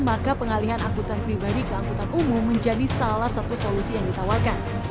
maka pengalihan angkutan pribadi ke angkutan umum menjadi salah satu solusi yang ditawarkan